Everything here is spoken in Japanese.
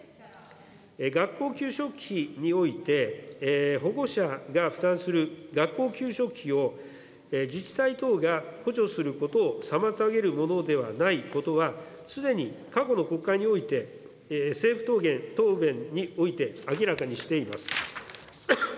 学校給食費において保護者が負担する学校給食費を自治体等が補助することを妨げるものではないことは、すでに過去の国会において、政府答弁において明らかにしています。